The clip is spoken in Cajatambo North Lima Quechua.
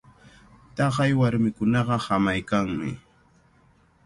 Taqay warmikunaqa hamaykanmi.